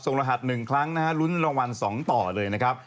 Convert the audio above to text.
รหัส๑ครั้งนะฮะลุ้นรางวัล๒ต่อเลยนะครับ